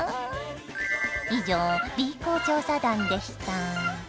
以上Ｂ公調査団でした。